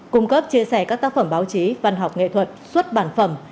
cung cấp chia sẻ các tác phẩm báo chí văn học nghệ thuật xuất bản phẩm